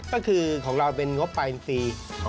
ก็คือของเราเป็นงบปลายดนตรี